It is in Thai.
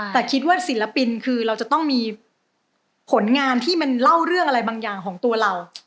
แต่คิดว่าศิลปินคือเราจะต้องมีผลงานที่มันเล่าเรื่องอะไรบางอย่างของตัวเรา